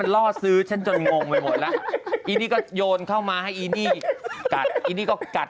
ไม่เอาเงียบไม่เอา